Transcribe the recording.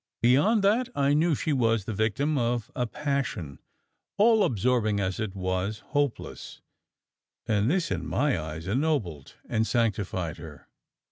Beyond that, I knew she was the victim of a passion all absorbing as it was hopeless and this in my eyes, ennobled and sanctified her.